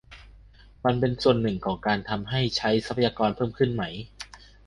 มันก็เป็นส่วนหนึ่งของการทำให้ใช้ทรัพยากรเพิ่มขึ้นไหม